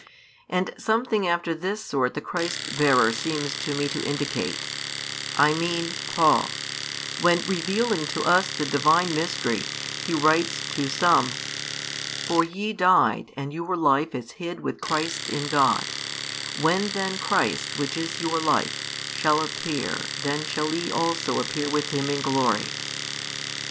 And something after this sort the Christ bearer seems to me to indicate I mean, Paul when, revealing to us the Divine Mystery, he writes to some: For ye died and your life is hid with Christ in God; when then Christ, which is your life, shall appear, then shall ye also appear with Him in glory.